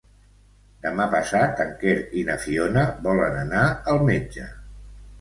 Demà passat en Quer i na Fiona volen anar al metge.